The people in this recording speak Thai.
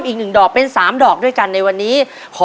ยังเหลือเวลาทำไส้กรอกล่วงได้เยอะเลยลูก